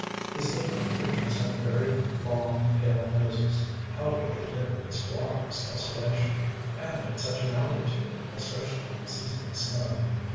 These little creatures have very long pale noses. How do they live in this waterless desolation, and at such an altitude, especially in the season of snow?